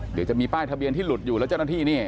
เดี๋ยวจะมีป้ายทะเบียนที่หลุดอยู่แล้วเจ้าหน้าที่นี่